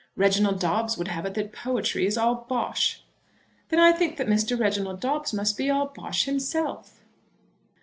Reginald Dobbes would have it that poetry is all bosh." "Then I think that Mr. Reginald Dobbes must be all bosh himself."